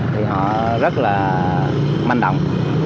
thì họ rất là manh động